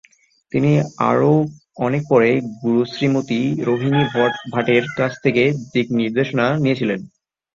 তিনি আরও অনেক পরে গুরু শ্রীমতী রোহিনী ভাটের কাছ থেকে দিকনির্দেশনা নিয়েছিলেন।